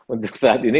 untuk saat ini